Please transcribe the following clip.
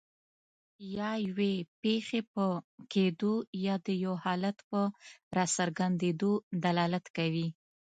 یا یوې پېښې په کیدو یا د یو حالت په راڅرګندیدو دلالت کوي.